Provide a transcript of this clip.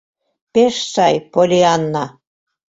— Пеш сай, Поллианна.